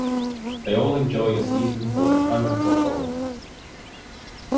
They all enjoyed a season full of fun and football.